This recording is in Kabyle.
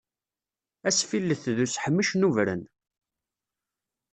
Asfillet d useḥmec nubren.